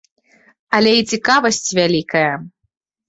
Але і цікавасць вялікая.